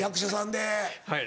はい。